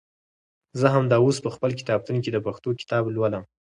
زه همدا اوس په خپل کتابتون کې د پښتو کتاب لولم.